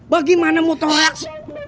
bagaimana mau tau reaks